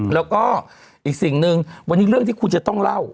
แล้วก็อีกสิ่งหนึ่งวันนี้เรื่องที่คุณจะต้องเล่า